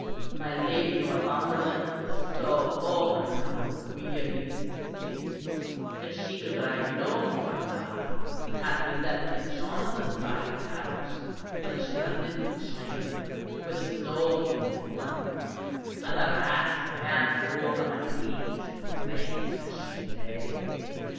My lady Northumberland was so overcome with weariness and sickness that she could ride no more at last, and had to be left at John of the Side's house, where she had a little chamber where the snow came in at one corner, and the rats ran over my lady's face as she lay.